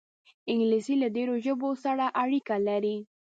انګلیسي له ډېرو ژبو سره اړیکه لري